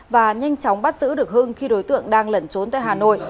và nhanh chóng bắt giữ được hưng khi đối tượng đang lẩn trốn tại hà nội